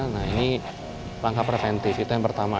nah ini langkah preventif itu yang pertama